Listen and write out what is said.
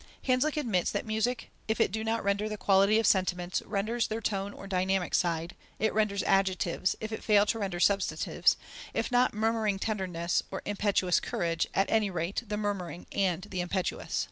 Hanslick admits that music, if it do not render the quality of sentiments, renders their tone or dynamic side; it renders adjectives, if it fail to render substantives; if not "murmuring tenderness" or "impetuous courage," at any rate the "murmuring" and the "impetuous."